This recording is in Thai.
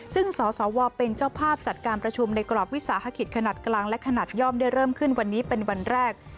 ซึ่งสสวเป็นเจ้าภาพจัดการประชุมในกรอบวิสาหกิจขนาดกลางและขนาดย่อมได้เริ่มขึ้นวันนี้เป็นวันแรก